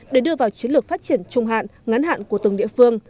để đưa vào chiến lược phát triển trung hạn ngắn hạn của từng địa phương